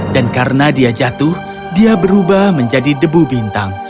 dan karena dia jatuh dia berubah menjadi debu bintang